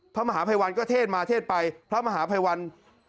พระมหาภัยวันก็เทศมาเทศไปพระมหาภัยวัน